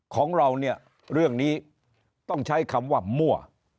ของเราเนี่ยเรื่องนี้ต้องใช้คำว่ามั่ว